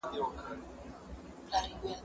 لټوي د نجات لاري او غارونه